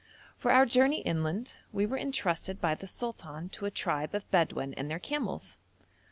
For our journey inland we were entrusted by the sultan to a tribe of Bedouin and their camels.